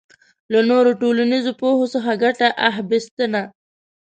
له نورو ټولنیزو پوهو څخه ګټه اخبستنه